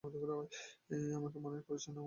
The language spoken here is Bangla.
আমাকে মানুষ করেছেন আমার মা।